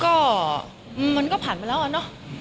ก็มันก็ผ่านมาแล้วอะเนาะ